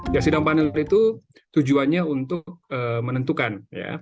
ya sidang panel itu tujuannya untuk menentukan ya